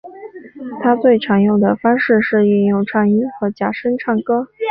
他最常用的方式是运用颤音和假声唱歌。